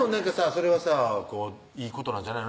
それはさいいことなんじゃないの？